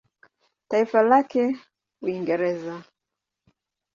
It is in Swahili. Taifa lake Uingereza.